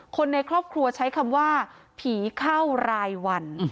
คนในครอบครัวใช้คำว่าผีเข้ารายวัน